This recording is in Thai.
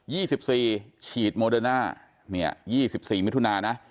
ี่สิบสี่ฉีดโมเดอร์น่าเนี่ยยี่สิบสี่มิถุนานะ